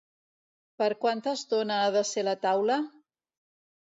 Per quanta estona ha de ser la taula?